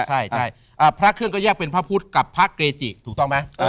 ใช่พระเครื่องก็แยกเป็นพระพุทธกับพระเกจิถูกต้องไหม